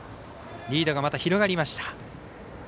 リードが、また広がりました。